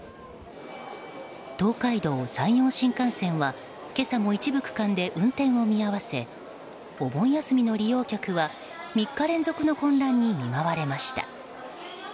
東海道・山陽新幹線は今朝も一部区間で運転を見合わせお盆休みの利用客は３日連続の混乱に見舞われました。